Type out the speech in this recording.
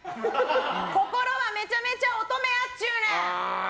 心はめちゃめちゃ乙女やっちゅーねん！